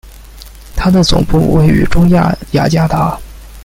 它的总部位于中亚雅加达。